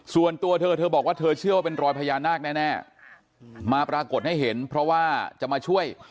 ส่วนตัวเธอเธอบอกว่าเธอเชื่อว่าเป็นรอยพญานาคแน่มาปรากฏให้เห็นเพราะว่าจะมาช่วย